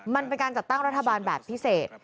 มันเป็นการจัดตั้งรัฐบาลแบบพิเศษ